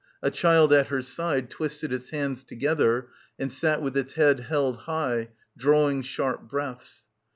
A child at her side twisted its hands together and sat with its head held high, drawing sharp breaths.